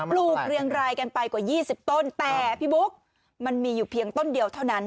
ลูกเรียงรายกันไปกว่า๒๐ต้นแต่พี่บุ๊กมันมีอยู่เพียงต้นเดียวเท่านั้น